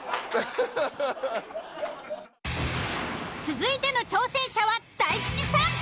続いての挑戦者は大吉さん。